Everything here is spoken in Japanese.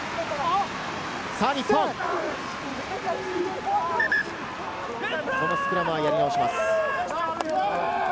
さぁ日本、このスクラムはやり直します。